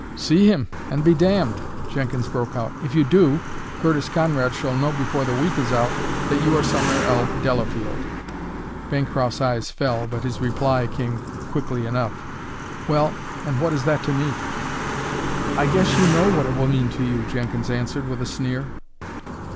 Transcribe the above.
"See him, and be damned!" Jenkins broke out. "If you do, Curtis Conrad shall know before the week is out that you are Sumner L. Delafield." Bancroft's eyes fell, but his reply came quickly enough: "Well, and what is that to me?" "I guess you know what it will mean to you," Jenkins answered with a sneer.